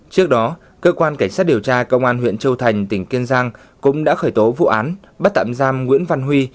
trước đó cơ quan cảnh sát điều tra công an huyện châu thành tỉnh kiên giang cũng đã khởi tố vụ án bắt tạm giam nguyễn văn huy